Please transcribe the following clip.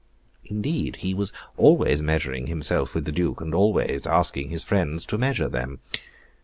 Indeed, he was always measuring himself with the Duke, and always asking his friends to measure them.